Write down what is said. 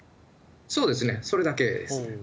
そうですね、それだけです。